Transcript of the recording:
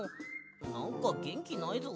なんかげんきないぞ。